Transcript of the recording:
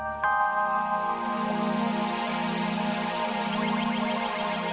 nanti kita bisa berbincang